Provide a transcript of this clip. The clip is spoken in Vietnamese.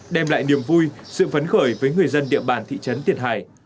đem lại niềm vui sự phấn khởi với người dân địa bàn thị trấn tiền hải